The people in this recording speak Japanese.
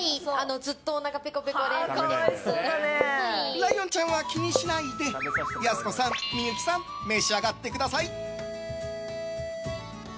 ライオンちゃんは気にしないでやす子さん、幸さん召し上がってください。